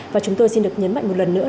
và chúng tôi xin được nhấn mạnh một lần nữa